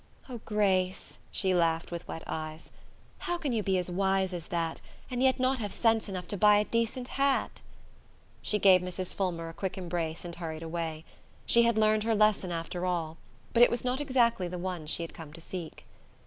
"Oh, Grace," she laughed with wet eyes, "how can you be as wise as that, and yet not have sense enough to buy a decent hat?" She gave Mrs. Fulmer a quick embrace and hurried away. She had learned her lesson after all; but it was not exactly the one she had come to seek.